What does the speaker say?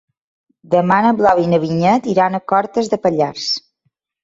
Demà na Blau i na Vinyet iran a Cortes de Pallars.